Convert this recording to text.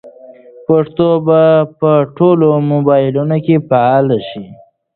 پښتو به په ټولو موبایلونو کې فعاله شي.